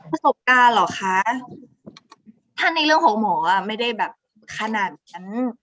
ประสบการณ์เหรอคะถ้าในเรื่องของหมออ่ะไม่ได้แบบขนาดนั้น